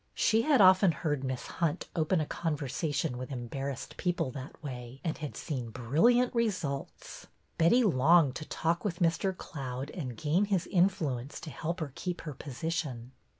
She had often heard Miss Hunt open a con versation with embarrassed people that way and had seen brilliant results. Betty longed to talk with Mr. Cloud and gain his influence to help her keep her position.